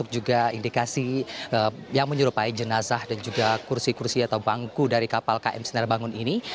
juga indikasi yang menyerupai jenazah dan juga kursi kursi atau bangku dari kapal km sinar bangun ini